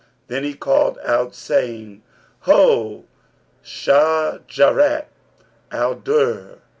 Then he called out, saying, 'Ho, Shajarat al Durr?'